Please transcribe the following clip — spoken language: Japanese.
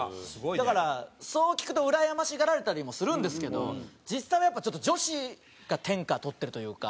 だからそう聞くとうらやましがられたりもするんですけど実際はやっぱ女子が天下取っているというか。